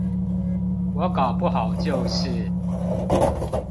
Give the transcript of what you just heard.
我搞不好就是